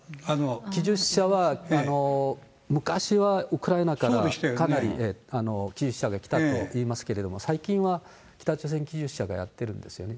技術者は昔はウクライナからかなり技術者が来たといいますけれども、最近は北朝鮮技術者がやっているんですよね。